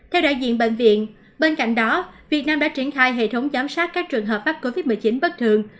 theo đại diện bệnh viện bên cạnh đó việt nam đã triển khai hệ thống giám sát các trường hợp mắc covid một mươi chín bất thường